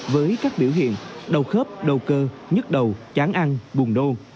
với các biểu hiện đau khớp đầu cơ nhức đầu chán ăn buồn đô